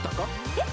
えっ！？